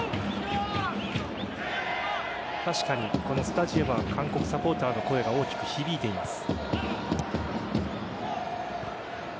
確かに、このスタジアムは韓国サポーターの声が大きく響いています。